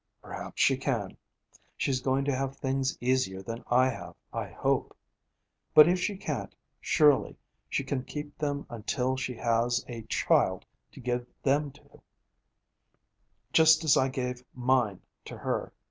Perhaps she can. She's going to have things easier than I have, I hope. But if she can't, surely she can keep them until she has a child to give them to, just as I gave mine to her.